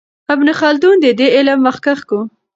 ابن خلدون د دې علم مخکښ و.